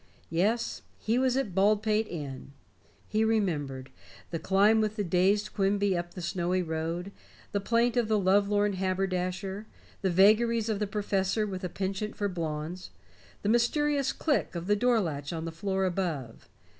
Yes he was at Baldpate Inn. He remembered the climb with the dazed Quimby up the snowy road, the plaint of the lovelorn haberdasher, the vagaries of the professor with a penchant for blondes, the mysterious click of the door latch on the floor above.